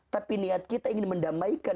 tapi niat kita ingin mendamaikan